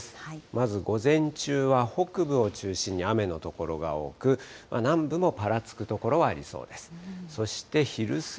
まず午前中は北部を中心に雨の所が多く、南部もぱらつく所はありそうです。